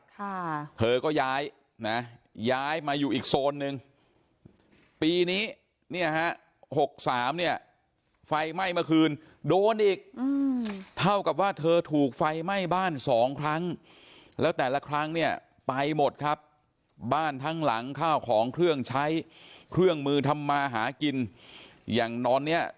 ค่ะเธอก็ย้ายนะย้ายมาอยู่อีกโซนนึงปีนี้เนี่ยฮะหกสามเนี่ยไฟไหม้เมื่อคืนโดนอีกอืมเท่ากับว่าเธอถูกไฟไหม้บ้านสองครั้งแล้วแต่ละครั้งเนี่ยไปหมดครับบ้านทั้งหลังข้าวของเครื่องใช้เครื่องมือทำมาหากินอย่างนอนเนี้ย